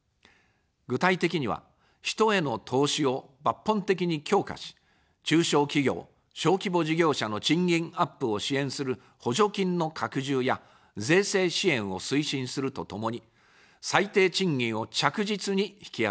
具体的には、人への投資を抜本的に強化し、中小企業・小規模事業者の賃金アップを支援する補助金の拡充や税制支援を推進するとともに、最低賃金を着実に引き上げます。